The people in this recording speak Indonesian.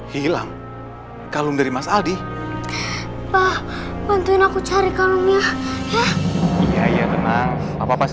hilang kalung dari mas adi bantuin aku cari kalungnya ya iya ya tenang apa pas